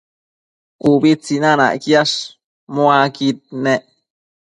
Ubi tsinanacquiash muaquid nec